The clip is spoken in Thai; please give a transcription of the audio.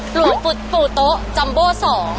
หลวงปรูดโต๊ะทำโยเซียซ์๒